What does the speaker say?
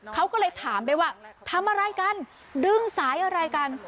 เขาก็เลยถามไปว่าทำอะไรกันดึงสายอะไรกัน